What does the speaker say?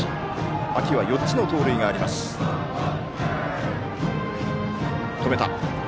秋は４つの盗塁がありました。